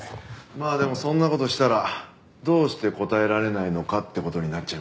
まあでもそんな事したらどうして答えられないのかって事になっちゃいますけど。